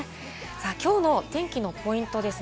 今日の天気のポイントです。